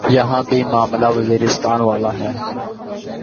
یہاں بھی معاملہ وزیرستان والا ہے۔